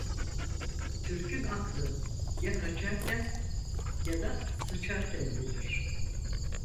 Türk'ün aklı ya kaçarken ya da sıçarken gelir.